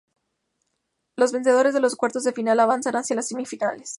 Los vencedores de los Cuartos de final avanzan hacia las Semifinales.